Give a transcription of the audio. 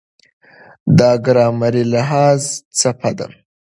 دا ګرامري لحاظ څپه ده.